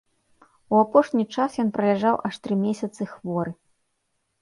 У апошні час ён праляжаў аж тры месяцы хворы.